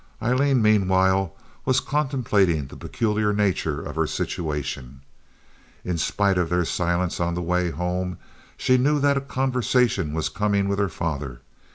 Aileen meanwhile was contemplating the peculiar nature of her situation. In spite of their silence on the way home, she knew that a conversation was coming with her father.